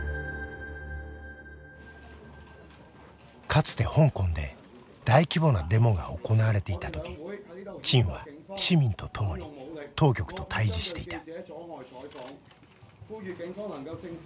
かつて香港で大規模なデモが行われていた時陳は市民と共に当局と対じしていた。